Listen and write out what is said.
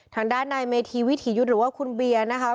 ทางด้านนายเมธีวิถียุทธ์หรือว่าคุณเบียร์นะคะ